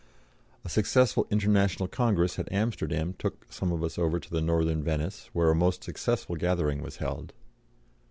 A successful International Congress at Amsterdam took some of us over to the Northern Venice, where a most successful gathering was held.